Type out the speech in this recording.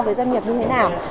với doanh nghiệp như thế nào